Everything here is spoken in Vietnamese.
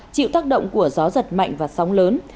chịu tác động của gió giật mạnh và sóng lớn